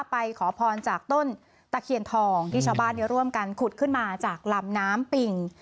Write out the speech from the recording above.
ขอพรจากต้นตะเคียนทองที่ชาวบ้านร่วมกันขุดขึ้นมาจากลำน้ำปิ่ง